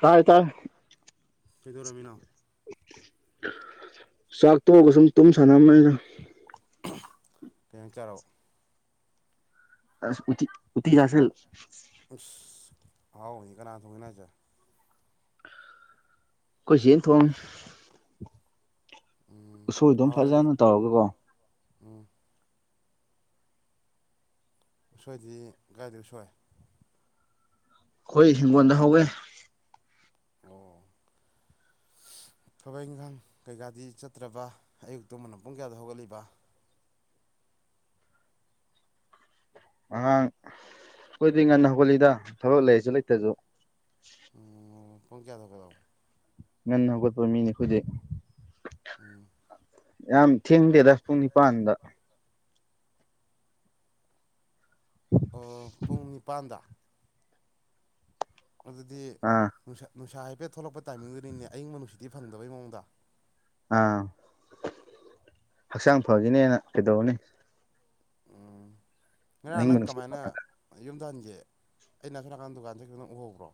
ꯇꯥꯏ ꯇꯥꯏ ꯀꯩꯗꯧꯔꯝꯃꯤꯅꯣ ꯆꯥꯛ ꯇꯣꯛꯑꯒ ꯁꯨꯝ ꯇꯨꯝ ꯁꯥꯟꯅꯕꯅꯤꯗ ꯀꯩꯅꯪ ꯆꯥꯔꯕꯣ ꯑꯁ ꯎꯠꯇꯤ ꯎꯠꯇꯤ ꯆꯥꯁꯜꯂꯦ ꯎꯁ ꯑꯍꯥꯎꯕꯅꯤ ꯀꯅꯥꯅ ꯊꯣꯡꯉꯤ ꯅꯣ ꯍꯥꯏꯁꯦ ꯈꯣꯏ ꯆꯦꯅ ꯊꯣꯡꯉꯤ ꯎꯝ ꯎꯁꯣꯏꯗꯨꯝ ꯍꯥꯎꯔꯦ ꯑꯗꯨ ꯐꯖꯅ ꯇꯧꯔꯒꯀꯣ ꯎꯝ ꯎꯁꯣꯏꯗꯤ ꯒꯥꯥꯏꯗꯩ ꯎꯁꯣꯏ ꯈꯣꯏ ꯍꯤꯡꯒꯣꯟꯗ ꯍꯧꯋꯦ ꯑꯣ ꯊꯕꯛ ꯏꯪꯈꯥꯡ ꯀꯩꯀꯥꯗꯤ ꯆꯠꯇ꯭ꯔꯕ ꯑꯌꯨꯛ ꯇꯨꯝꯕꯅ ꯄꯨꯡ ꯀꯌꯥꯗ ꯍꯧꯒꯠꯂꯤꯕ ꯑꯉꯥꯡ ꯑꯩꯈꯣꯏꯗꯤ ꯉꯟꯅ ꯍꯧꯒꯠꯂꯤꯗ ꯊꯕꯛ ꯂꯩꯔꯁꯨ ꯂꯩꯇ꯭ꯔꯁꯨ ꯎꯝ ꯄꯨꯡ ꯀꯌꯥꯗ ꯍꯧꯒꯠꯂꯕ ꯉꯟꯅ ꯍꯧꯒꯠꯄ ꯃꯤꯅꯦ ꯑꯩꯈꯣꯏꯗꯤ ꯎꯝ ꯌꯥꯝ ꯊꯦꯡꯗꯦꯗ ꯄꯨꯡ ꯅꯤꯄꯥꯟꯗ ꯑꯣ ꯄꯨꯡ ꯅꯤꯄꯥꯟꯗ ꯑꯗꯨꯗꯤ ꯑꯥ ꯅꯨꯡꯁꯥ ꯅꯨꯡꯁꯥ ꯍꯥꯏꯐꯦꯠ ꯊꯣꯛꯂꯛꯄ ꯇꯥꯏꯃꯤꯡꯗꯨꯅꯤꯅꯦ ꯑꯌꯤꯡꯕ ꯅꯨꯡꯁꯤꯠꯇꯤ ꯐꯪꯗꯕꯩ ꯃꯑꯣꯡꯗ ꯑꯥ ꯍꯛꯆꯥꯡ ꯐꯥꯒꯤꯅꯤꯅ ꯀꯩꯗꯧꯔꯨꯅꯤ ꯎꯝ ꯉꯔꯥꯡ ꯑꯍꯤꯡꯕ ꯅꯪ ꯅꯨꯡꯁꯤꯠ ꯀꯃꯥꯏꯅ ꯐꯪꯉꯒ ꯌꯨꯝꯗ ꯍꯟꯒꯦ ꯑꯩꯅ ꯁꯣꯝ ꯅꯥꯀꯟ ꯗꯨꯀꯥꯟ ꯊꯣꯛ ꯈꯤꯕ ꯎꯍꯧꯕ꯭ꯔꯣ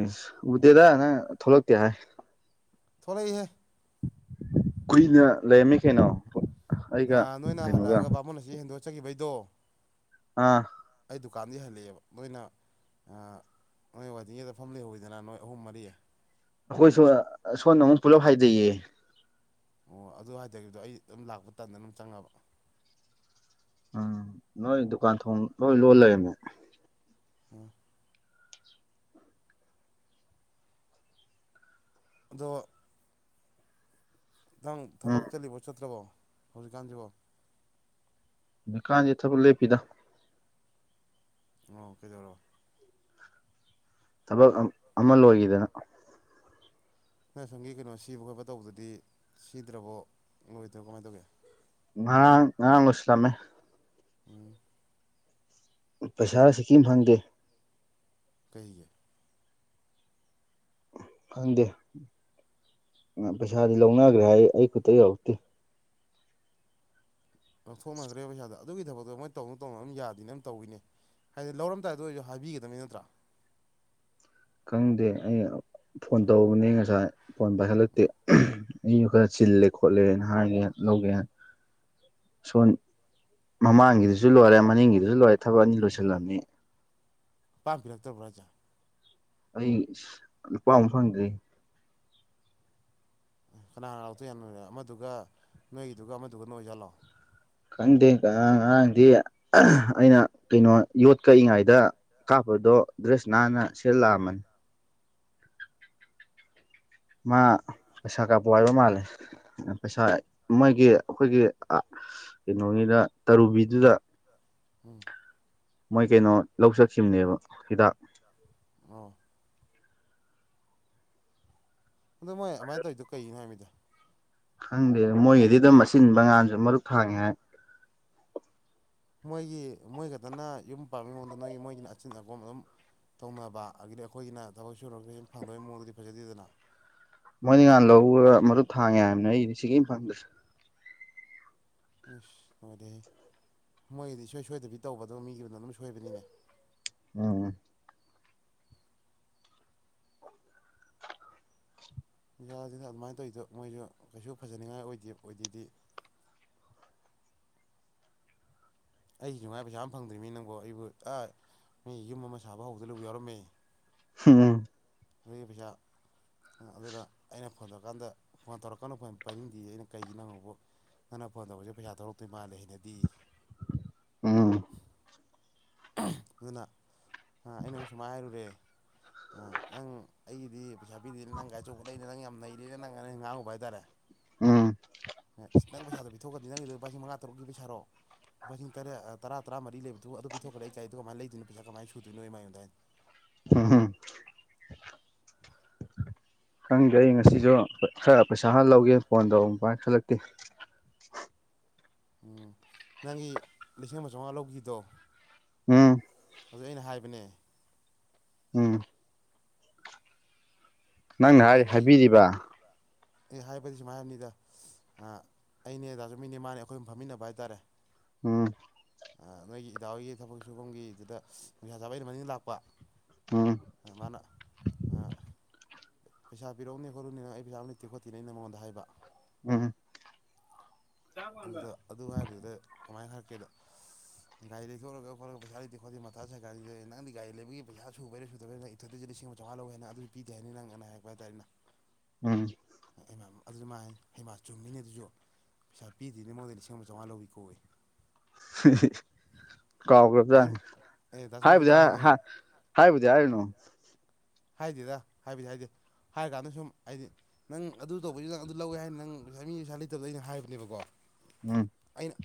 ꯏꯁ ꯎꯗꯦꯗ ꯅꯪ ꯊꯣꯛꯂꯛꯇꯦ ꯍꯥꯏ ꯊꯣꯛꯂꯛꯏꯍꯦ ꯀꯨꯏꯅ ꯂꯩꯔꯝꯃꯤ ꯀꯩꯅꯣ ꯑꯩꯒ ꯅꯣꯏꯅ ꯀꯩꯅꯣꯒ ꯍꯜꯂꯛꯑꯒ ꯕꯥꯃꯣꯟ ꯑꯁꯤ ꯍꯦꯟꯗꯣꯛ ꯆꯈꯤꯕꯩꯗꯣ ꯑꯥ ꯑꯩ ꯗꯨꯀꯥꯟꯗꯒꯤ ꯍꯜꯂꯛꯑꯦꯕ ꯃꯣꯏꯅ ꯑꯥ ꯅꯣꯏ ꯋꯥꯏꯇꯤꯡ ꯁꯦꯗꯇ ꯐꯝ ꯂꯩꯍꯧꯋꯤꯗꯅ ꯅꯣꯏ ꯑꯍꯨꯝ ꯃꯔꯤ ꯑꯩꯈꯣꯏꯁꯨ ꯁꯣꯟꯗ ꯑꯃꯨꯛ ꯄꯨꯂꯞ ꯍꯥꯏꯗꯩꯌꯦ ꯑꯣ ꯑꯗꯨ ꯍꯥꯏꯊꯈꯤꯕꯗꯣ ꯑꯩ ꯑꯗꯨꯝ ꯂꯥꯛꯄ ꯇꯟꯗꯅ ꯑꯗꯨꯝ ꯆꯪꯉꯕ ꯎꯝ ꯅꯣꯏ ꯗꯨꯀꯥꯟ ꯊꯣꯡ ꯂꯣꯏ ꯂꯣꯜ ꯂꯩꯔꯝꯃꯦ ꯎꯝ ꯑꯗꯣ ꯈꯤꯇꯪ ꯎꯝ ꯊꯕꯛ ꯆꯠꯂꯤꯕꯣ ꯆꯠꯇ꯭ꯔꯕꯣ ꯍꯧꯖꯤꯛꯀꯥꯟꯁꯤꯕꯣ ꯗꯨꯀꯥꯟꯁꯦ ꯊꯕꯛ ꯂꯦꯞꯄꯤꯗ ꯅꯣ ꯀꯩꯗꯧꯔꯣ ꯊꯕꯛ ꯑꯃ ꯂꯣꯏꯈꯤꯗꯅ ꯅ ꯁꯪꯒꯤ ꯀꯩꯅꯣ ꯁꯤꯕ ꯈꯣꯠꯄ ꯇꯧꯕꯗꯨꯗꯤ ꯁꯤꯗ꯭ꯔꯕꯣ ꯅꯣꯏꯗꯣ ꯀꯃꯥꯏꯅ ꯇꯧꯒꯦ ꯉꯔꯥꯡ ꯉꯔꯥꯡ ꯂꯁꯂꯃꯦ ꯎꯝ ꯄꯩꯁꯥꯁꯨ ꯁꯤꯀꯤꯃ ꯐꯪꯗꯦ ꯀꯩꯒꯤ ꯈꯪꯗꯦ ꯄꯩꯁꯥꯗꯤ ꯂꯧꯅꯈ꯭ꯔꯦ ꯍꯥꯏ ꯑꯩ ꯈꯨꯠꯇ ꯌꯧꯔꯛꯇꯦ ꯂꯧꯊꯣꯛꯅꯈ꯭ꯔꯦ ꯄꯩꯁꯥꯗꯣ ꯑꯗꯨꯒꯤ ꯊꯕdgꯛꯇꯣ ꯃꯣꯏ ꯇꯧꯅꯨ ꯇꯧꯅꯨ ꯑꯗꯨꯝ ꯌꯥꯗꯦꯅ ꯑꯗꯨꯝ ꯇꯧꯏꯅꯦ ꯍꯥꯏꯗꯤ ꯂꯧꯔꯝꯗꯥꯏꯗꯣ ꯑꯣꯏꯁꯨ ꯍꯥꯏꯕꯤꯒꯗꯕꯅꯤ ꯅꯠꯇ꯭ꯔꯥ ꯈꯪꯗꯦ ꯑꯩ ꯐꯣꯟ ꯇꯧꯕꯅꯦ ꯉꯁꯥꯏ ꯐꯣꯟ ꯄꯥꯏꯈꯠꯂꯛꯇꯦ ꯑꯩꯁꯨ ꯈꯔ ꯆꯤꯜꯂꯦ ꯈꯣꯠꯂꯦꯅ ꯍꯥꯏꯒꯦ ꯂꯧꯒꯦ ꯁꯣꯟ ꯃꯃꯥꯡꯒꯤꯗꯨꯁꯨ ꯂꯣꯏꯔꯦ ꯃꯅꯤꯡꯒꯤꯗꯨꯁꯨ ꯂꯣꯏꯔꯦ ꯊꯕꯛ ꯑꯅꯤ ꯂꯣꯏꯁꯤꯜꯂꯕꯅꯤ ꯄꯥꯝꯕꯤꯔꯛꯇꯕ꯭ꯔꯥꯖꯥ ꯑꯩ ꯂꯨꯄꯥꯃꯨ ꯐꯪꯗ꯭ꯔꯤ ꯀꯅꯥ ꯍꯅꯥ ꯂꯥꯛꯇꯣꯏ ꯌꯥꯝ ꯅꯣꯏꯔꯦ ꯑꯃꯗꯨꯒ ꯅꯣꯏꯒꯤꯗꯨꯒ ꯑꯃꯗꯨꯒ ꯅꯣꯏꯖꯜꯂꯥꯛꯑꯣ ꯈꯪꯗꯦ ꯑꯔꯥꯡ ꯉꯔꯥꯡꯗꯤ ꯑꯩꯅ ꯀꯩꯅꯣ ꯌꯣꯠ ꯀꯛꯏꯉꯩꯗ ꯀꯥꯞꯄꯗꯣ ꯗ꯭ꯔꯦꯁ ꯅꯥꯟꯅ ꯁꯤꯂꯛꯑꯃꯅꯤ ꯃꯥ ꯄꯩꯁꯥ ꯀꯥꯄ ꯍꯥꯏꯕ ꯃꯥꯜꯂꯦ ꯄꯩꯁꯥ ꯃꯣꯏꯒꯤ ꯑꯩꯈꯣꯏꯒꯤ ꯀꯩꯅꯣꯅꯤꯗ ꯇꯔꯨꯕꯤꯗꯨꯗ ꯎꯝ ꯃꯣꯏ ꯀꯩꯅꯣ ꯂꯧꯖꯈꯤꯕꯅꯦꯕ ꯍꯤꯗꯥꯛ ꯑꯣ ꯑꯗꯣ ꯃꯣꯏ ꯑꯗꯨꯃꯥꯏꯅ ꯇꯧꯔꯤꯗꯣ ꯀꯩꯅꯅꯣ ꯍꯥꯏꯕꯗ ꯈꯪꯗꯦ ꯃꯣꯏꯒꯤꯗꯤ ꯑꯗꯨꯝ ꯑꯁꯤꯤꯟꯕꯉꯥꯟꯁꯨ ꯃꯔꯨꯞ ꯊꯥꯡꯉꯦ ꯍꯥꯏ ꯃꯣꯏꯒꯤ ꯃꯣꯏ ꯈꯛꯇꯅ ꯌꯨꯝ ꯄꯥꯝꯃꯤ ꯃꯉꯣꯟꯗ ꯅꯣꯏꯒꯤ ꯃꯣꯏꯒꯤꯅ ꯑꯆꯤꯟ ꯑꯈꯣꯝ ꯑꯗꯨꯝ ꯇꯧꯅꯕ ꯑꯗꯤ ꯑꯩꯈꯣꯏꯒꯤꯅ ꯊꯕꯛ ꯁꯨꯔ ꯐꯪꯗꯕꯩ ꯃꯑꯣꯡꯗꯗꯤ ꯐꯖꯗꯦꯗꯅ ꯃꯣꯏꯗꯤ ꯉꯍꯥꯟ ꯂꯧ ꯃꯗꯨ ꯊꯥꯡꯉꯦ ꯍꯥꯏꯕꯅ ꯑꯩꯗꯤ ꯁꯤꯒꯤ ꯃꯐꯝꯗꯨꯗ ꯏꯁꯁ ꯅꯨꯡꯉꯥꯏꯔꯦꯍ ꯃꯣꯏꯒꯤꯗꯤ ꯁꯣꯏ ꯁꯣꯏꯗꯕꯤ ꯇꯧꯕ ꯑꯗꯨꯒ ꯃꯤꯒꯤꯗꯨꯅ ꯑꯗꯨꯝ ꯁꯣꯏꯕꯅꯤꯅꯦ ꯎꯝ ꯏꯟꯥꯁꯤꯅ ꯑꯗꯨꯃꯥꯏꯅ ꯇꯧꯔꯤꯗꯣ ꯃꯣꯏꯁꯨ ꯀꯩꯁꯨ ꯐꯖꯅꯤꯡꯉꯥꯏ ꯑꯣꯏꯗꯦ ꯑꯣꯏꯗꯦꯗꯤ ꯑꯩꯒꯤ ꯅꯨꯡꯉꯥꯏ ꯄꯩꯁꯥ ꯑꯃ ꯐꯪꯗ꯭ꯔꯤꯅꯤ ꯅꯪꯕꯨꯣ ꯑꯩꯕꯨ ꯑ ꯃꯤ ꯌꯨꯝ ꯑꯃ ꯁꯥꯕ ꯍꯧꯗꯅ ꯂꯨꯕꯨ ꯌꯥꯎꯔꯝꯃꯦ ꯍꯝ ꯑꯗꯨꯗꯦꯕꯖ ꯑꯗꯨꯅ ꯑꯩꯅ ꯐꯣꯟ ꯇꯧꯔꯀꯥꯟꯗ ꯐꯣꯟ ꯇꯧꯔꯛꯀꯥꯟꯗ ꯐꯣꯟ ꯄꯥꯏꯅꯤꯡꯗꯦ ꯑꯩꯅ ꯀꯩꯒꯤꯅꯪꯣꯕꯨ ꯅꯪꯅ ꯐꯣꯟ ꯇꯧꯕꯁꯦ ꯄꯩꯁꯥ ꯊꯣꯛꯧꯛꯇꯣꯏ ꯃꯥꯜꯂꯦ ꯍꯩꯅꯗꯤ ꯎꯝ ꯑꯗꯨꯅ ꯑ ꯑꯩꯅꯛ ꯁꯨꯃꯥꯏꯅ ꯍꯥꯏꯔꯨꯔꯦ ꯑ ꯅꯪ ꯑꯩꯒꯤꯗꯤ ꯄꯩꯁꯥ ꯄꯤꯗꯦꯅ ꯅꯪ ꯒꯥꯔꯤ ꯑꯆꯧꯕ ꯂꯩꯅꯤ ꯅꯪ ꯌꯥꯝ ꯅꯩꯔꯤꯅ ꯅꯪ ꯅꯩꯅ ꯉꯥꯡꯉꯨꯕ ꯍꯥꯏꯇꯥꯔꯦ ꯎꯝ ꯅꯪ ꯄꯩꯁꯥꯗ ꯄꯤꯊꯣꯛꯀꯅꯤ ꯅꯪꯒꯤ ꯄꯥꯏꯁ ꯃꯉꯥ ꯇꯔꯨꯛꯀꯤ ꯄꯩꯁꯥꯔꯣ ꯂꯨꯄꯥ ꯂꯤꯁꯤꯡ ꯇꯔꯦꯠ ꯇꯔꯥ ꯇꯔꯥꯃꯔꯤ ꯂꯩꯕꯗꯨ ꯑꯗꯨ ꯄꯤꯊꯣꯛꯈ꯭ꯔꯦ ꯀꯥꯏꯗ ꯀꯥꯏꯅ ꯂꯩꯣꯏꯅꯣꯩꯁ ꯀꯃꯥꯏ ꯁꯨꯣꯏꯣ ꯃꯃ ꯌꯣꯟꯗꯅ ꯍꯝ ꯍꯝ ꯈꯪꯗꯦ ꯑꯩ ꯉꯁꯤꯁꯨ ꯈꯔ ꯄꯩꯁꯥ ꯍꯥ ꯂꯧꯒꯦ ꯐꯣꯟ ꯇꯧꯔ ꯄꯥꯏ ꯈꯜꯂꯛꯇꯦ ꯎꯝ ꯅꯪꯒꯤ ꯂꯤꯁꯤꯡ ꯑꯃ ꯆꯥꯝꯃꯉꯥ ꯂꯧꯈꯤꯕꯗꯣ ꯎꯝ ꯍꯧꯖꯤꯛ ꯑꯩꯅ ꯍꯥꯏꯕꯅꯦ ꯎꯝ ꯅꯪꯅ ꯍꯥꯏ ꯑꯉꯥꯡꯒꯩ ꯍꯥꯏꯕꯤꯔꯤꯕ ꯑꯦ ꯍꯥꯏꯕꯗꯤ ꯁꯨꯃꯥꯏ ꯍꯥꯏꯕꯥ ꯑꯥ ꯑꯩꯅꯦ ꯇꯥꯁꯨꯃꯤꯅꯦ ꯃꯥꯅꯦ ꯑꯩꯈꯣꯏ ꯑꯍꯨꯝ ꯐꯝꯃꯤꯟꯅꯕ ꯍꯥꯏꯇꯥꯔꯦ ꯎꯝ ꯑꯥ ꯅꯣꯏꯒꯤ ꯏꯗꯥꯎꯒꯤ ꯊꯕꯛ ꯁꯨꯕꯝꯒꯤꯗꯨꯗ ꯅꯨꯡꯁꯥ ꯆꯥꯕꯩ ꯑꯩꯗꯨ ꯃꯅꯤꯡ ꯂꯥꯛꯄ ꯎꯝ ꯑꯥ ꯃꯥꯅ ꯑꯥ ꯄꯩꯁꯥ ꯄꯤꯛꯎꯅꯦ ꯈꯣꯠꯂꯨꯅꯦ ꯅꯪ ꯑꯩ ꯄꯩꯁꯥ ꯑꯃ ꯂꯩꯇꯦ ꯈꯣꯠꯇꯦꯅ ꯑꯩꯅ ꯃꯉꯣꯟꯗ ꯍꯥꯏꯕ ꯎꯝ ꯎꯝ ꯑꯗꯨꯗ ꯑꯗꯨ ꯍꯥꯏꯕꯗꯨꯗ ꯀꯃꯥꯏ ꯍꯥꯏꯔꯛꯀꯦꯗ ꯒꯥꯔꯤ ꯂꯩꯊꯣꯛꯂꯒ ꯈꯣꯠꯂꯒ ꯄꯩꯁꯥ ꯂꯩꯇꯦ ꯈꯣꯠꯇꯦ ꯃꯊꯥꯁꯥꯏ ꯒꯥꯔꯤꯖꯦ ꯅꯪꯗꯤ ꯒꯥꯔꯤ ꯂꯩꯕꯒꯤ ꯄꯩꯁꯥ ꯁꯨꯕꯩꯔꯥ ꯁꯨꯗꯕꯩꯔ [unintelligible] ꯊꯛꯇꯁꯨ ꯂꯤꯁꯤꯡ ꯑꯃ ꯆꯧꯉꯥ ꯂꯧꯋꯦ ꯍꯥꯏꯅ ꯑꯗꯨꯁꯨ ꯄꯤꯗꯦ ꯍꯥꯏꯅꯤ ꯅꯪ ꯑꯅ ꯍꯥꯏꯔꯛꯄ ꯍꯥꯏꯇꯥꯥꯔꯦꯅ ꯎꯝ ꯍꯩꯃꯥ ꯑꯗꯨꯁꯨ ꯃꯥ ꯍꯥꯏꯅꯦ ꯍꯩꯃ ꯆꯨꯝꯃꯤꯅꯦ ꯑꯗꯨꯁꯨ ꯄꯩꯁꯥ ꯄꯤꯗ꯭ꯔꯤꯅꯤ ꯃꯉꯣꯟꯗ ꯂꯤꯁꯤꯡ ꯑꯃ ꯆꯧꯉꯥ ꯂꯧꯏꯀꯣꯌꯦ ꯗꯥꯁꯨꯝ ꯀꯥꯎꯈ꯭ꯔꯕꯖꯥꯠꯅꯤ ꯑꯦ ꯗꯥꯁꯨꯝꯍꯣꯏꯁꯨ ꯍꯥꯏꯕꯨꯗꯤ ꯍꯥꯏ ꯇꯥꯕꯅꯦ ꯍꯥ ꯍꯪꯉꯨ ꯍꯥꯏꯕꯨꯗꯤ ꯍꯥꯏꯔꯨꯅꯨ ꯍꯥꯏꯗꯦꯗ ꯍꯥꯏꯕꯗꯤ ꯍꯥꯏꯗꯦ ꯍꯥꯏꯔ ꯀꯥꯟꯗ ꯁꯨꯝ ꯍꯥꯏꯗꯤ ꯅꯪ ꯑꯗꯨ ꯇꯧꯕꯩꯁꯨ ꯅꯪ ꯑꯗꯨ ꯂꯧꯋꯦ ꯍꯥꯏ ꯅꯪ ꯄꯩꯁꯥ ꯃꯤ ꯄꯩꯁꯥ ꯂꯩꯇꯕꯗꯩ ꯑꯩꯅ ꯍꯥꯏꯕꯅꯦꯕꯀꯣ ꯎꯝ ꯑꯩꯅ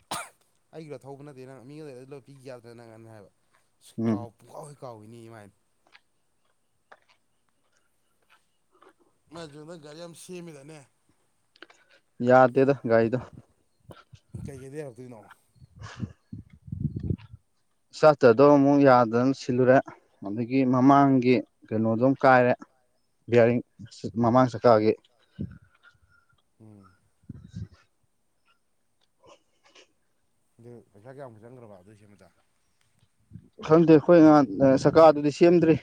ꯑꯩꯒꯤꯗ ꯊꯧꯕ ꯅꯠꯇꯦ ꯅꯪ ꯃꯤꯒꯥ ꯂꯩꯔꯗꯤ ꯂꯣꯏ ꯄꯤ ꯌꯥꯗ꯭ꯔ ꯅꯪ ꯍꯥꯏꯅꯥ ꯍꯥꯏꯕ ꯎꯝ ꯀꯥꯎ ꯄꯨꯡ ꯀꯥꯎ ꯍꯦ ꯀꯥꯎꯏꯅꯤ ꯃꯥ ꯍꯥꯏꯅꯦ ꯃꯥꯏ ꯄꯦꯝꯃꯥ ꯒꯥꯔꯤ ꯌꯥꯝ ꯁꯦꯝꯃꯦꯗꯥꯏꯅꯦ ꯌꯥꯗꯦꯗ ꯒꯥꯔꯤꯗꯣ ꯀꯩꯀꯩꯗ ꯌꯥꯔꯛꯇꯣꯏꯅꯣ [inaudible] ꯁꯥꯇ꯭ꯔꯗꯣ ꯑꯃꯨꯛ ꯌꯥꯗꯗꯅ ꯁꯤꯜꯂꯨꯔꯦ ꯑꯗꯒꯤ ꯃꯃꯥꯡꯒꯤ ꯀꯩꯅꯣꯗꯨꯝ ꯀꯥꯏꯔꯦ ꯕꯤꯌꯥꯔꯤꯡ ꯃꯃꯥꯡ ꯆꯀꯥꯒꯤ ꯎꯝ [inaudible] ꯑꯗꯨ ꯄꯩꯁꯥ ꯀꯌꯥꯃꯨꯛ ꯆꯪꯈ꯭ꯔꯕ ꯑꯗꯨꯏ ꯁꯦꯝꯕꯥꯗ ꯈꯪꯗꯦ ꯑꯩꯈꯣꯏꯅꯍꯥꯟ ꯁꯔꯀꯥꯔꯗꯨꯗꯤ ꯁꯦꯝꯗ꯭ꯔꯤ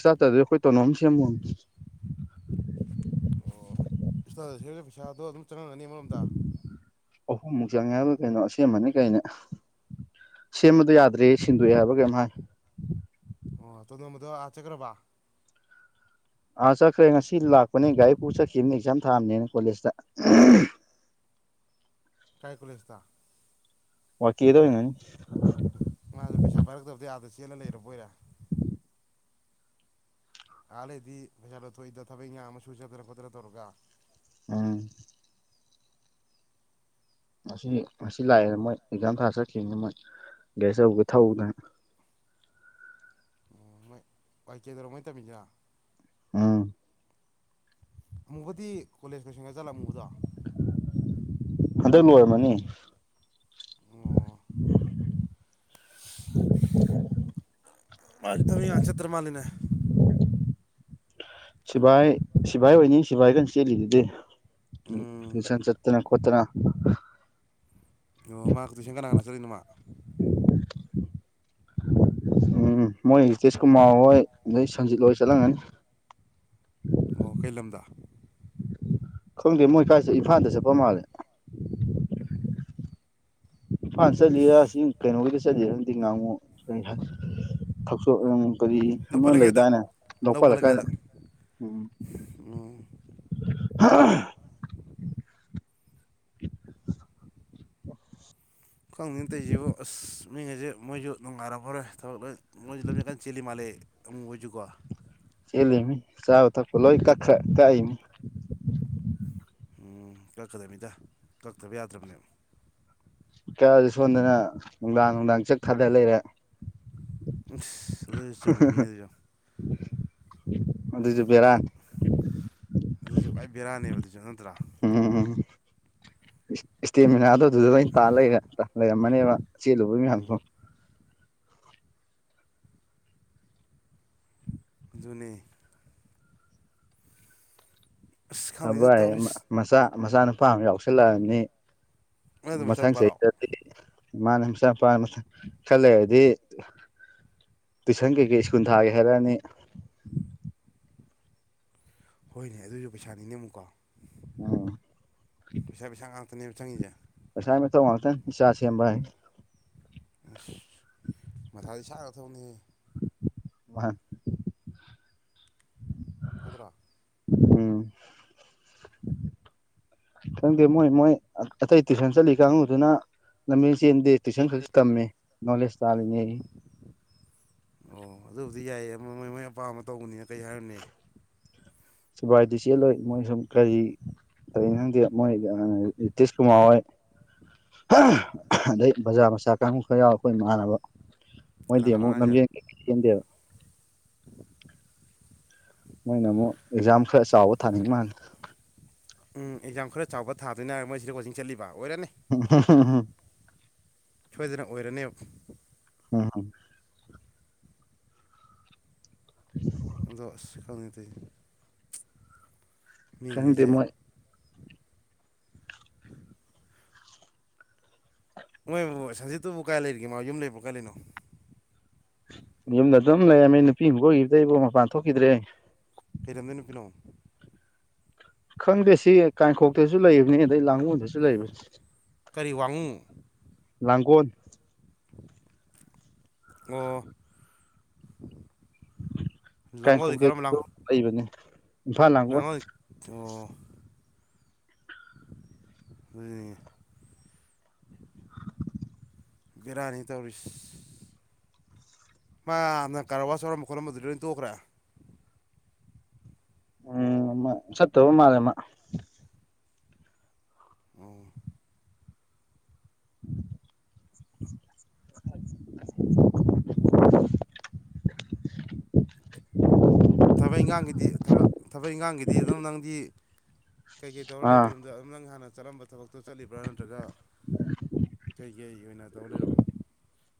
ꯏꯁꯇꯥꯠꯇꯔꯗꯤ ꯑꯩꯈꯣꯏ ꯇꯣꯅꯣꯝ ꯁꯦꯝꯃꯨ ꯑꯣ ꯏꯁꯇꯥꯇꯔ ꯁꯦꯝꯕꯩ ꯄꯩꯁꯥꯗꯣ ꯑꯗꯨꯝ ꯆꯪꯍꯜꯂꯅꯤ ꯑꯃꯔꯣꯝꯗ ꯑꯍꯨꯝꯃꯨꯛ ꯆꯪꯉꯦ ꯍꯥꯏꯕꯔ ꯀꯩꯅꯣ ꯑꯁꯦꯝꯃꯟꯅꯦ ꯀꯩꯅꯦ ꯁꯦꯝꯕꯗꯨ ꯌꯥꯗ꯭ꯔꯦꯌꯦ ꯁꯤꯟꯗꯣꯛꯑꯦ ꯍꯥꯏꯕꯔ ꯀꯩꯅꯣꯝ ꯍꯥꯏ ꯑꯣ ꯇꯣꯗꯣꯟꯕꯗꯣ ꯑꯥ ꯆꯠꯈ꯭ꯔꯕ ꯑꯥ ꯆꯠꯈ꯭ꯔꯦ ꯉꯁꯤ ꯂꯥꯛꯄꯅꯦ ꯒꯥꯔꯤ ꯄꯨ ꯆꯠꯈꯤꯕꯅꯤ ꯑꯦꯛꯖꯥꯝ ꯊꯥꯝꯅꯦꯅ ꯀꯣꯂꯦꯖꯇ ꯀꯥꯏ ꯀꯣꯂꯦꯁꯇꯥ ꯋꯥꯀꯤꯗ ꯑꯣꯏꯅꯥꯅꯤ ꯃꯥꯁꯦ ꯄꯩꯁꯥ ꯄꯥꯏꯔꯛꯇꯕꯗꯩ ꯑꯗꯥ ꯆꯦꯜꯂ ꯂꯩꯔꯕꯣꯏꯔꯦ ꯑꯥ ꯂꯩꯩꯔꯗꯤ ꯄꯩꯁꯥ ꯂꯧꯊꯣꯛꯏꯗ ꯊꯕꯛ ꯏꯪꯒꯥꯡ ꯑꯃ ꯁꯨꯖꯗꯅ ꯈꯣꯠꯇꯅꯥ ꯇꯧꯔꯒ ꯎꯝ ꯉꯁꯤ ꯉꯁꯤ ꯂꯥꯛꯑꯦꯅ ꯃꯣꯏ ꯑꯦꯛꯖꯥꯝ ꯊꯥ ꯆꯠꯈꯤꯝꯅꯤ ꯃꯣꯏ ꯒꯦꯔꯤ ꯑꯆꯧꯕꯥ ꯊꯧꯗꯅ ꯑꯣ ꯃꯣꯏ ꯋꯥꯏ ꯀꯦꯗꯔꯣ ꯃꯣꯏ ꯇꯝꯃꯤꯁꯤꯔꯥ ꯎꯝ ꯑꯃꯨꯕꯗꯤ ꯀꯣꯂꯦꯖ ꯂꯣꯏꯁꯟꯒ ꯆꯠꯂ ꯑꯃꯨꯕꯗꯣ ꯍꯟꯗꯛ ꯂꯣꯏꯔꯝꯃꯅꯤ ꯑꯣ ꯑꯗ ꯉꯥꯛ ꯆꯠꯇ꯭ꯔ ꯃꯥꯜꯂꯤꯅꯦ ꯁꯤꯐꯥꯏ ꯁꯤꯐꯥꯏ ꯑꯣꯏꯅꯤ ꯁꯤꯐꯥꯏꯇꯪ ꯆꯦꯂꯤꯗꯨꯗꯤ ꯎꯝ ꯇꯨꯏꯁꯟ ꯆꯠꯄ ꯆꯠꯇꯅ ꯈꯣꯠꯇꯅ ꯑꯣ ꯃꯥ ꯇꯨꯁꯟ ꯀꯅꯥꯅ ꯆꯠꯂꯤꯅꫭ ꯃꯥ ꯎꯝ ꯃꯣꯏ ꯁꯇꯤꯁ ꯀꯨꯃꯥꯔ ꯍꯣꯏ ꯑꯗꯩ ꯁꯟꯖꯤꯠ ꯍꯣꯏ ꯆꯠꯂꯝꯒꯅꯤ ꯉꯣ ꯀꯩ ꯂꯝꯗ ꯈꯪꯗꯦ ꯃꯣꯏ ꯀꯥꯏꯆꯠꯂꯤꯅꫭ ꯏꯝꯐꯥꯟꯗ ꯆꯠꯄ ꯃꯥꯜꯂꯦ ꯏꯝꯐꯥꯜ ꯆꯠꯂꯤꯔ ꯁꯤ ꯀꯩꯅꯣꯒꯤꯗ ꯆꯠꯂꯤꯔꯗꯤ ꯈꯪꯗꯦ ꯉꯥꯉꫭꯝ ꯊꫭꯛꯆꫭꯝ ꯀꯔꯤ ꯑꯃ ꯅꯧꯄꯜ ꯂꯩꯀꯥꯏꯗ ꯂꯩꯗꯥꯅꯦ ꯂꯧꯄꯥꯜ ꯂꯩꯀꯥꯏꯗ ꯎꯝ ꯍꯥꯑꯑ ꯈꯪꯗꯦꯅꯦ ꯇꯧꯔꯤꯖꯤꯕꫭ ꯑꯥꯁ ꯃꯤꯉꯁꯦ ꯃꯣꯏꯁꯨ ꯅꯨꯡꯉꯥꯏꯔꯝꯃꯔꫭꯏ ꯊꯕꯛ ꯂꯣꯏ ꯃꯣꯏꯁꯨ ꯂꯝꯖꯦꯟ ꯀꯟ ꯆꯦꯜꯂꯤ ꯃꯥꯜꯂꯦ ꯑꯃꯨꯛ ꯍꫭꯏꯁꯨꯀꯣ ꯆꯦꯂꯤꯃꯤ ꯆꯥꯕ ꯊꯛꯄ ꯂꯣꯏ ꯀꯛꯈꯔꯦ ꯀꯛꯑꫯꯕꯅꯤ ꯎꯝ ꯀꯛꯀꯗꯕꯅꯤꯗ ꯀꯛꯇꯕ ꯌꯥꯗ꯭ꯔꯕꯅꯦꯕ ꯀꯛꯑꯖꯨ ꯁꯣꯟꯗꯅ ꯅꯨꯡꯗꯥꯡ ꯅꯨꯡꯗꯥꯡ ꯖꯥꯛ ꯊꯥꯗ ꯂꯩꯔꯦ ꯑꯥꯁ ꯑꯗꯨꯖꯨ ꯆꯨꯝꯃꯤ ꯃꯤ ꯑꯗꯨꯁꯨ ꯑꯗꯨꯁꯨ ꯑꯗꯨ ꯕꯦꯔꯥꯅꯤ ꯑꯗꯨꯁꯨ ꯈꯋꯥꯏ ꯕꯦꯔꯥꯅꯦꯕ ꯑꯗꯨꯁꯨ ꯅꯠꯇ꯭ꯔꯥ ꯎꯝ ꯏꯁꯇꯦꯃꯤꯅꯥꯗ ꯑꯗꯨꯗ ꯂꫭꯏ ꯇꯥꯜ ꯂꯩꯔꯦ ꯂꯩꯔꯝꯃꯅꯦꯕ ꯆꯦꯜꯂꯨꯕ ꯃꯌꯥꯝ ꯗꫭ ꯑꯗꯨꯅꯦ ꯑꯁ ꯈꯪꯗꯦꯗ ꯊꯕꯛ ꯍꯥꯏꯁꯦ ꯇꯧꯔꯤꯁ ꯃꯆꯥ ꯃꯆꯥꯅꯨꯄꯥ ꯑꯃ ꯌꯥꯎꯁꯜꯂꯛꯑꯕꯅꯤ ꯅꯣꯏꯗꯣ ꯃꯊꯪ ꯃꯆꯥꯅꯨꯄꯥꯔꯣ ꯆꯍꯤꯗ ꯃꯅꯦ ꯃꯆꯥ ꯃꯨꯄꯥꯅ ꯈꯔꯥ ꯂꯩꯔꯗꯤ ꯇꯨꯏꯁꯟ ꯀꯩ ꯀꯩ ꯁꯀꯨꯜ ꯊꯥꯒꯦ ꯍꯥꯏꯔꯛꯑꯅꯤ ꯍꯣꯏꯅꯦ ꯑꯗꯨꯁꯨ ꯄꯩꯁꯥꯅꯤꯅꯦ ꯑꯃꯨꯛꯀꯣ ꯎꯝ ꯄꯩꯁꯥ ꯄꯩꯁꯥ ꯉꯥꯛꯇ ꯇꯅꯦꯕ ꯆꯪꯉꯤꯁꯦ ꯄꯩꯁꯥꯒꯤ ꯃꯊꯧ ꯉꯥꯛꯇꯅꯤ ꯏꯆꯥ ꯁꯦꯝꯕ ꯍꯥꯏ ꯑꯁ ꯃꯊꯥꯗꯤ ꯁꯥꯒꯔꯥꯕ ꯊꯕꯅꯤ [inaudible] ꯊꯟꯗ꯭ꯔꯥ ꯎꯝ ꯈꯪꯗꯦ ꯃꯣꯏ ꯃꯣꯏ ꯑꯇꯩ ꯇꯨꯏꯁꯟ ꯆꯠꯂꯤ ꯀꯥꯡꯒꯨꯗꯨꯅ ꯂꯝꯖꯦꯟ ꯆꯦꯟꯗꯦ ꯇꯌꯨꯁꯟ ꯈ ꯇꯝꯃꯦ ꯅꯣꯂꯦꯖ ꯇꯥꯜꯂꯤꯅꯦꯌꯦ ꯑꯣ ꯑꯗꯨꯕꯨꯗꯤ ꯌꯥꯏꯌꯦ ꯃꯣꯏ ꯃꯣꯏ ꯑꯄꯥꯝꯕ ꯇꯧꯕꯅꯤꯅ ꯀꯩ ꯍꯥꯏꯔꯨꯅꯤ ꯁꯨꯐꯥꯏꯗꯤ ꯆꯦꯜꯂꯣꯏ ꯃꯣꯏ ꯁꯨꯝ ꯀꯔꯤ ꯀꯩꯗꯔꯤꯅꫭ ꯈꯪꯗꯦ ꯃꯣꯏ ꯅꯤꯇꯤꯁ ꯀꯨꯃꯥꯔ ꯍꯣꯏ ꯑꯗꯩ ꯕꯖꯥꯔ ꯃꯆꯥ ꯀꯥꯡꯒꯨ ꯈꯔ ꯌꯥꯎꯔꯤ ꯑꯩꯈꯣꯏ ꯏꯥꯟꯅꯕ ꯀꯅꯥ ꯃꯣꯏꯗꯤ ꯀꯅꯥꯅꯣ ꯑꯃꯨꯛ ꯍꯥꯏꯁꯦ ꯂꯝꯖꯦꯟ ꯀꯩ ꯀꯩ ꯆꯦꯟꯗꯦ ꯃꯣꯏꯅ ꯑꯃꯨꯛ ꯑꯦꯛꯖꯥꯝ ꯈꯔ ꯆꯥꯎꯕ ꯊꯥꯅꯤꯡ ꯃꯥꯜꯂꯦ ꯎꯝ ꯑꯦꯛꯖꯥꯝ ꯈꯔ ꯆꯥꯎꯕ ꯊꯥꯗꯣꯏꯅ ꯍꯥꯏꯔꯒꯥ ꯃꯣꯏꯁꯤꯗ ꯀꯣꯆꯤꯡ ꯆꯠꯂꯤꯕ ꯑꯣꯏꯔꯅꯤ ꯍꯨꯝꯍꯥꯍꯨꯝ ꯁꯣꯏꯗꯅ ꯑꯣꯏꯔꯅꯦꯕ ꯍ ꯍ [unintelligible] ꯑꯗꫭ ꯑꯁ ꯈꯪꯗꯦꯅꯦ ꯇꯧꯔꯤꯁꯦ ꯈꯪꯗꯦ ꯃꯤꯉꯩꯁꯦ ꯃꯣꯏ ꯃꯥꯏꯕꯨ ꯁꯟꯖꯤꯠꯇꯨꯕꯨ ꯀꯥꯏ ꯂꯩꯔꯤꯒꯦꯃ ꯌꯨꯝ ꯂꯩꯕ꯭ꯔꯣ ꯀꯥꯏ ꯂꯩꯅꯣ ꯌꯨꯝꯗ ꯑꯗꯨꯝ ꯂꯩꯔꯝꯃꯦ ꯅꯨꯄꯤ ꯑꯃꯕ ꯀꫭꯏꯈꯤꯕꯗꯩꯕꯨ ꯃꯄꯥꯟ ꯊꯣꯛꯈꯤꯗꯔꯦ ꯀꯩꯂꯝꯗꯩ ꯅꯨꯄꯤꯅꯣ ꯈꯪꯗꯦ ꯁꯤ ꯀꯥꯏꯔꯦꯝꯕꯤꯈꫭꯛ ꯇꯁꯨ ꯂꯩꯕꯅꯤ ꯑꯗꯩ ꯂꯥꯡꯒꫭꯜꯗꯁꯨ ꯂꯩꯕꯅꯤ ꯀꯔꯤ ꯋꯥꯡꯉꯨ ꯂꯪꯒꯣꯟ ꯑꯣ ꯂꯥꯡꯒꯣꯜꯗꯤ ꯀꯥꯏꯔꯦꯝꯕꯤꯈꫭꯛ ꯀꯔꯝꯕ ꯂꯥꯡ ꯇꯁꯨ ꯂꯩꯕꯅꯤ ꯏꯝꯐꯥꯜ ꯂꯥꯡꯒꯣꯜ [inaudible] ꯕꯦꯔꯥꯅꯤꯅꯦ ꯇꯧꯔꯤꯁꯦ ꯃꯥꯅ ꯍꯥꯟꯅ ꯀꯔꯋꯥꯁ ꯌꯥꯎꯔꯝꯕ ꯈꯣꯠꯂꯝꯕꯗꯨꯗꯤ ꯂꯣꯏꯅ ꯇꯣꯛꯈ꯭ꯔꯦ ꯎꯝ ꯁꯠꯇꯕ ꯃꯟꯂꯦꯃꯥ [inaudible] ꯑꯣ [unintelligible] [unintelligible] ꯊꯕꯛ ꯏꯪꯈꯥꯡꯒꯤꯗꯤ ꯊꯕꯛ ꯏꯪꯈꯥꯡꯒꯤꯗꯤ ꯑꯗꯨꯝ ꯅꯪꯗꯤ ꯀꯩꯀꯩ ꯇꯧꯔ ꯂꯩꯕ ꯑꯥ ꯌꯨꯝ ꯅꯪ ꯍꯥꯟꯅ ꯆꯠꯂꯝꯝꯕ ꯊꯕꯛꯇꯣ ꯆꯠꯂꯤꯕ꯭ꯔꯥ ꯅꯠꯇ꯭ꯔꯒ ꯀꯩꯀꯩ ꯑꯣꯏꯅ ꯇꯧꯔ ꯂꯩꯔꯕꯥ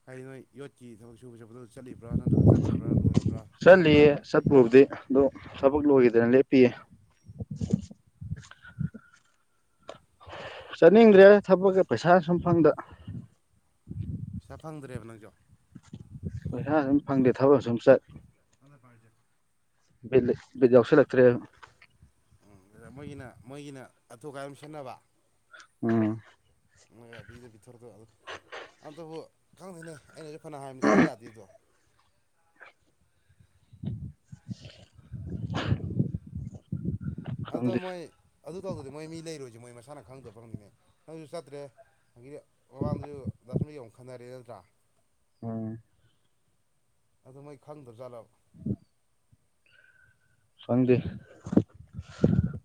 ꯍꯥꯏꯗꯤ ꯅꯣꯏ ꯌꯣꯠꯀꯤ ꯊꯕꯛ ꯁꯨꯕ ꯆꯠꯄꯗ ꯆꯠꯂꯤꯕ꯭ꯔꯥ ꯅꯠꯇ꯭ꯔꯒ ꯆꯠꯇ꯭ꯔꯕ꯭ꯔꯥ ꯂꯣꯏꯔꯕ꯭ꯔꯥ ꯆꯠꯂꯤꯌꯦ ꯆꯠꯄꯕꯨꯗꯤ ꯑꯗꯣ ꯊꯕꯛ ꯂꯣꯏꯈꯤꯗꯅ ꯂꯦꯞꯄꯤꯌꯦ [inaudible] ꯆꯠꯅꯤꯡꯗ꯭ꯔꯦ ꯊꯕꯛꯀ ꯄꯩꯁꯥ ꯁꯨꯝ ꯐꯪꯗ ꯄꯩꯥꯁꯥ ꯐꯪꯗ꯭ꯔꯦꯕ ꯅꯪꯁꯨ ꯄꯩꯁꯥꯁꯨꯝ ꯐꯪꯗꯦ ꯊꯕꯛ ꯁꯨꯝ ꯆꯠ [inaudible] ꯕꯤꯠ ꯕꯤꯠ ꯌꯥꯎꯁꯤꯟ ꯂꯛꯇꯔꯦꯕ ꯎꯝ ꯃꯣꯏꯒꯤꯅ ꯃꯣꯏꯒꯤꯅ ꯑꯊꯨꯀꯥꯏ ꯑꯗꯨ ꯁꯤꯖꯤꯟꯅꯕ ꯎꯝ ꯅꯣꯏ ꯄꯤꯗ ꯄꯤꯊꯣꯔꯗꯣ ꯑꯗꯨꯣ ꯑꯝꯇꯕꯨ ꯈꯪꯗꯦꯅꯦ ꯑꯩꯅꯁꯨ ꯐꯅ ꯍꯥꯏꯕꯅꯤ ꯁꯨꯡꯛꯌꯥ ꯌꯥꯗꯦꯗꯣ [inaudible] ꯑꯗꯣ ꯈꯪꯗꯦ ꯃꯣꯏ ꯑꯗꯨ ꯇꯧꯗꯗꯤ ꯃꯣꯏ ꯃꯤ ꯂꯩꯔꯣꯏꯁꯦ ꯃꯣꯏ ꯃꯁꯥꯅ ꯈꯪꯗꯕꯔ ꯈꯪꯗꯦꯅꯦ ꯅꯪꯁꯨ ꯆꯠꯇ꯭ꯔꯦ ꯃꯃꯥꯡꯗꯨꯁꯨ ꯈꯟꯅꯔꯦ ꯅꯠꯇ꯭ꯔꯥ ꯑꫭ ꯑꯗꯨ ꯃꯣꯏ ꯈꯪꯗ꯭ꯔꯕꯖꯠꯂꯕ [inaudible] ꯈꯪꯗꯦ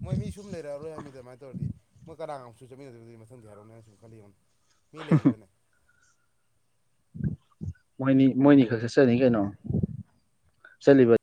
ꯃꯣꯏ ꯃꯤꯁꯨꯝ ꯂꯩꯔꯛ ꯑꯔꫭꯏ ꯍꯥꯏꯕꯅꯤꯗ ꯑꯗꯨꯃꯥꯏ ꯊꯧꯔꯗꯤ ꯃꫭꯏ ꯀꯅꯥꯒꯃꯨꯛ ꯆꯠꯃꯟꯅꯗꯧꯔꯤ ꯃꯊꯡꯗꯤ ꯍꯥꯏꯔꯛꯎꯅꯦ ꯈꯂꯥ ꯌꯦꯡꯉꯨꯅꯦ ꯃꯤ ꯂꯩꯔꯤꯕꯅꯦ ꯃꯣꯏꯅꯤ ꯃꯣꯏꯅꯤ ꯈꯛ ꯆꯠ ꯆꯅꯤ ꯀꯩꯅꯣ ꯆꯠꯂꯤꯕ